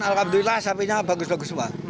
alhamdulillah sapinya bagus bagus